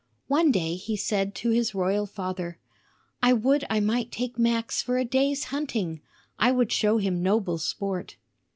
One day he said to his royal father, "I would I might take Max for a day's hunting; I would show him noble sport."